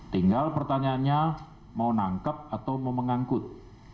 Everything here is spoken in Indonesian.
tinggal pertanyaannya mau nangkep atau mau mengangkut